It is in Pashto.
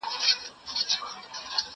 طوطي نه وو یوه لویه ننداره وه